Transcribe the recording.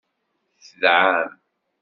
Tedɛam.